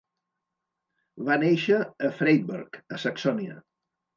Va néixer a Freiberg, a Saxònia.